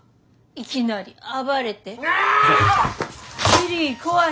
いきなり暴れて。わ！